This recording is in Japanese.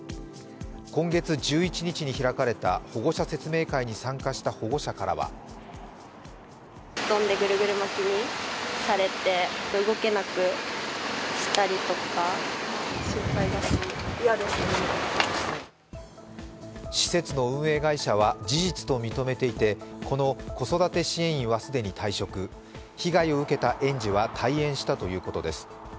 今月１１日に開かれた保護者説明会に参加した保護者からは施設の運営会社は事実と認めていてこの子育て支援員は既に退職、被害を受けた園児は退園したということです。